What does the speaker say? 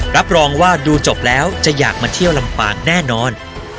รับรองว่าดูจบแล้วจะอยากมาเที่ยวลำปางแน่นอน